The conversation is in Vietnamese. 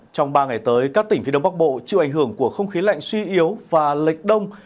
trong ba ngày tới các tỉnh phía đông bắc bộ chịu ảnh hưởng của không khí lạnh suy yếu và lệch đông